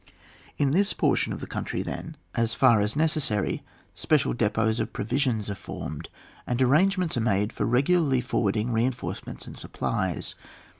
In this portion of the country then, as ORAP. rv]. BASF OF OPERATIONa. 66 far as necessary, special depots of pro Tisions are formed, and arrangements are made for regpilarly forwarding rein forcements and supplies.